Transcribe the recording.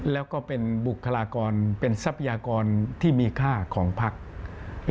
แล้วก็เป็นบุคลากรเป็นทรัพยากรที่มีค่าของพัก